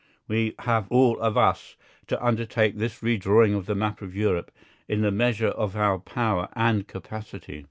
We have all of us to undertake this redrawing of the map of Europe, in the measure of our power and capacity.